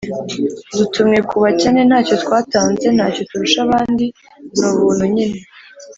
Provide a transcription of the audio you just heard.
dutumwe ku bakene. ntacyo twatanze, ntacyo turusha abandi ; ni ubuntu nyine